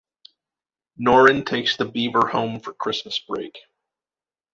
Norrin takes The Beaver home for Christmas break.